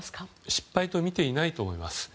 失敗と見ていないと思います。